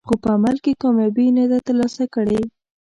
خو په عمل کې کامیابي نه ده ترلاسه کړې.